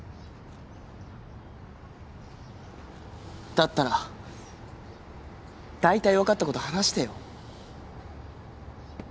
だったら大体わかった事話してよ。